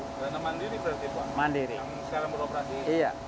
karena mandiri berarti pak